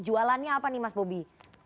jualannya apa nih mas bobi